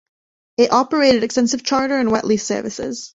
It operated extensive charter and wet lease services.